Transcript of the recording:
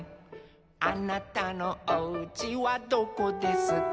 「あなたのおうちはどこですか」